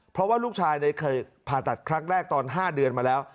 เพราะว่าลูกชายเคยผ่าตัดครั้งแรกตอน๕เดือนมาแล้ว